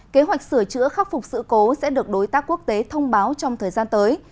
kế hoạch sửa chữa khắc phục sự cố sẽ được đối tác quốc tế thông báo trong thời gian tới